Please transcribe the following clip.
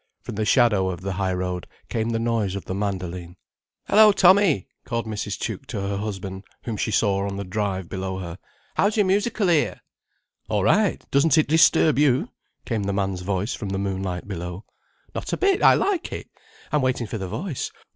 From the shadow of the high road came the noise of the mandoline. "Hello, Tommy!" called Mrs. Tuke to her husband, whom she saw on the drive below her. "How's your musical ear—?" "All right. Doesn't it disturb you?" came the man's voice from the moonlight below. "Not a bit. I like it. I'm waiting for the voice.